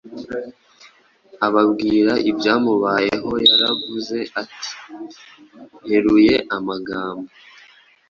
Ababwira ibyamubayeho yaravuze ati, “Nteruye amagambo,